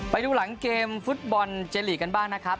ไปดูหลังเกมฟุตบอลเจลีกกันบ้างนะครับ